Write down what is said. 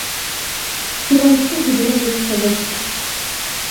Tuɣa ittugdal ɣif-i ad adfeɣ.